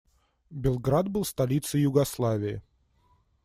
Белград был столицей Югославии.